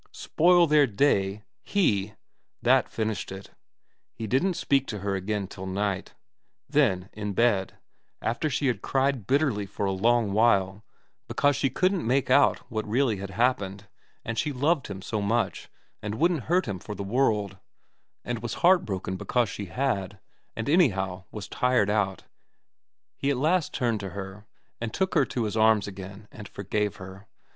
Spoil their day ? He ? That finished it. He didn't speak to her again till night. Then, in bed, after she had cried bitterly for a long while, because she couldn't make out what really had happened, and she loved him so much, and wouldn't hurt him for the world, and was heart broken because she had, and anyhow was tired out, he at last turned to her and took her to his arms again and forgave her.